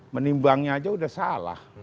menimbangnya aja udah salah